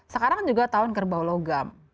sekarang kan juga tahun kerbau logam